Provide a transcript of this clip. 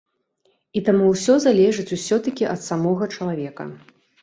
І таму ўсё залежыць усё-такі ад самога чалавека.